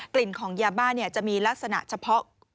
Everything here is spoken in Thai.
กลิ่นของยาบ้านจะมีลักษณะเฉพาะ